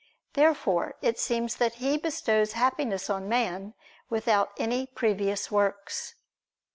Therefore it seems that He bestows Happiness on man without any previous works.